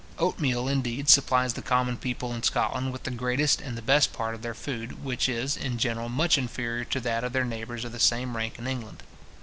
Oatmeal, indeed, supplies the common people in Scotland with the greatest and the best part of their food, which is, in general, much inferior to that of their neighbours of the same rank in England.